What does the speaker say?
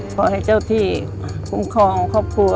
ขอให้เจ้าที่คุ้มครองครอบครัว